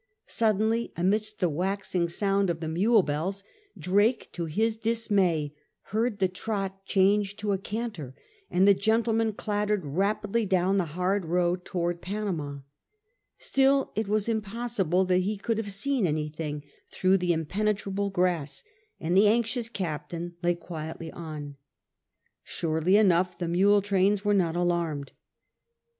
Suddenly amidst the waxing sound of the mule bells Drake to his dismay heard the trot change to a canter, and the gentle man clattered rapidly down the hard road towards Panama. Still, it was impossible that he could have seen anything through the impenetrable grass, and the anxious captain lay quietly on. Surely enough the mule trains were not alarmed.